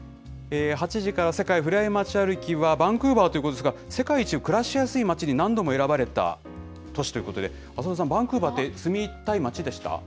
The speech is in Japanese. ８時から、世界ふれあい街歩きは、バンクーバーということですが、世界一暮らしやすい街に何度も選ばれた都市ということで、浅田さん、バンクーバーって住みたい街